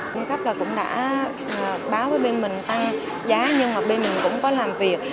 cung cấp là cũng đã báo với bên mình tăng giá nhưng mà bên mình cũng có làm việc